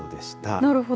なるほど。